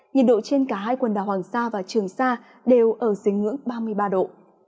nhiệt độ trên cả hai quần đảo hoàng sa và trường sa đều ở dưới ngưỡng ba mươi ba độ